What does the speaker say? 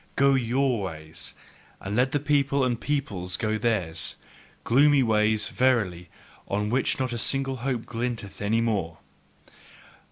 Go YOUR ways! and let the people and peoples go theirs! gloomy ways, verily, on which not a single hope glinteth any more!